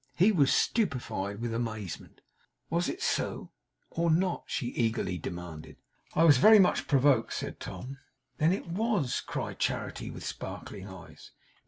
He was stupefied with amazement. 'Was it so, or not?' she eagerly demanded. 'I was very much provoked,' said Tom. 'Then it was?' cried Charity, with sparkling eyes.